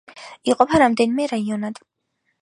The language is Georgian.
იყოფა რამდენიმე რაიონად.